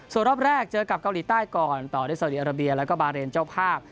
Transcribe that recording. ส่วนรอบแรกเจอกับเกาหลีใต้ก่อนต่อด้วยสาวดีอาราเบียแล้วก็บาเรนเจ้าภาพ